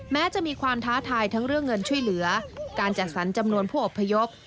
แม้จะมีความท้าทายทั้งเรื่องเงินช่วยเหลือการจัดสรรจำนวนผู้อบพยพ